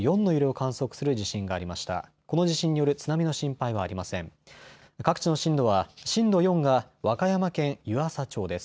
各地の震度は震度４が和歌山県湯浅町です。